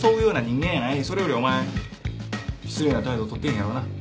それよりお前失礼な態度取ってへんやろな？